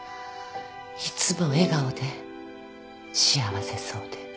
いつも笑顔で幸せそうで。